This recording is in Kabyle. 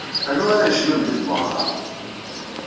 Anwa ara yecnun di tmeɣra?